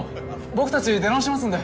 僕たち出直しますんで。